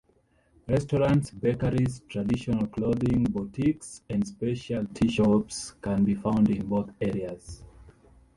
Restaurants, bakeries, traditional-clothing boutiques, and specialty shops can be found in both areas.